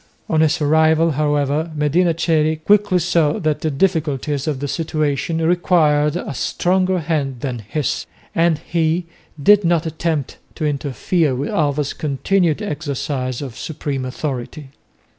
On his arrival, however, Medina Coeli quickly saw that the difficulties of the situation required a stronger hand than his, and he did not attempt to interfere with Alva's continued exercise of supreme authority.